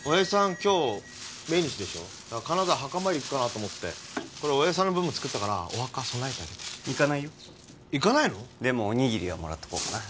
今日命日でしょ金沢墓参り行くかなと思って親父さんの分も作ったからお墓供えてあげて行かないよでもおにぎりはもらっとこうかな